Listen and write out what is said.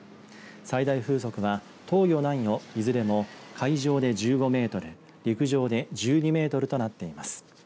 最大風速は東予、南予いずれも海上で１５メートル陸上で１２メートルとなっています。